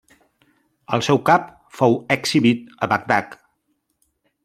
El seu cap fou exhibit a Bagdad.